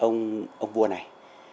đến với ông vua này